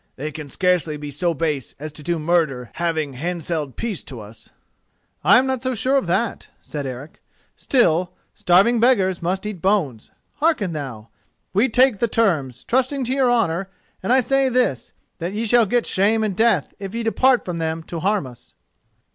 They can scarcely be so base as to do murder having handselled peace to us." "I am not so sure of that," said Eric; "still, starving beggars must eat bones. Hearken thou: we take the terms, trusting to your honour; and I say this: that ye shall get shame and death if ye depart from them to harm us."